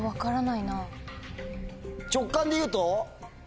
直感でいうと？